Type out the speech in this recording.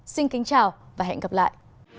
xin kính chào và hẹn gặp lại